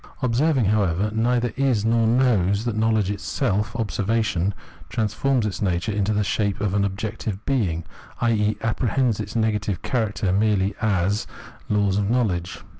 Observing, however, neither is nor knows that knowledge itself ; observation transforms its nature into the shape of an objective being, i.e. apprehends its negative character merely as laws of knowledge.